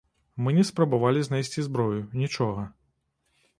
Мы не спрабавалі знайсці зброю, нічога.